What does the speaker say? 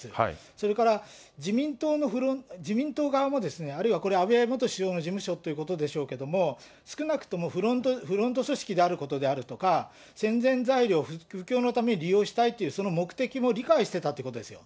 それから自民党のあるいはこれ安倍元首相の事務所ということでしょうけれども、少なくともフロント組織であることであるとか、宣伝材料、布教のために利用したいというその目的も理解してたってことですよ。